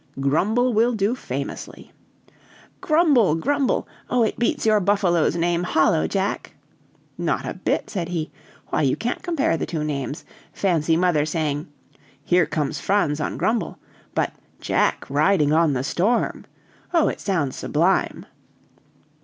"Grumble will do famously." "Grumble, Grumble. Oh, it beats your buffalo's name hollow, Jack!" "Not a bit," said he; "why, you can't compare the two names. Fancy mother saying, 'Here comes Franz on Grumble, but Jack riding on the Storm.' Oh, it sounds sublime!"